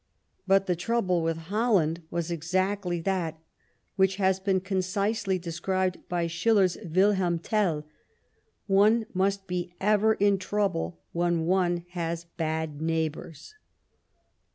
But the trouble with Holland was exactly that which has been concisely described by Schiller^s Wilhelm Tell — one must be ever in trouble when one has bad neighbors.